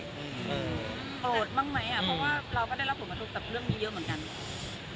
โกรธบ้างไหมอ่ะเพราะว่าเราก็ได้รับผลกระทบกับเรื่องนี้เยอะเหมือนกัน